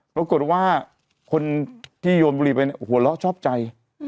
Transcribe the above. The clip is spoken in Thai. ปรากฏว่าคนที่โยนบุรีไปเนี่ยหัวเราะชอบใจ